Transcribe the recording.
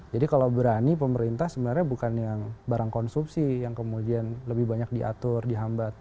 jadi kalau berani pemerintah sebenarnya bukan yang barang konsumsi yang kemudian lebih banyak diatur dihambat